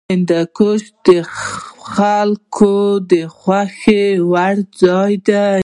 هندوکش د خلکو د خوښې وړ ځای دی.